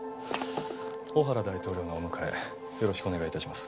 オハラ大統領のお迎えよろしくお願い致します。